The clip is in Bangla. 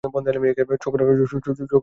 চোখ খোলো, অর্জুন!